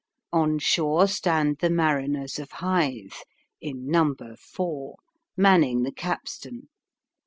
On shore stand the mariners of Hythe (in number four), manning the capstan.